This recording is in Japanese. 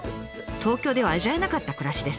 東京では味わえなかった暮らしです。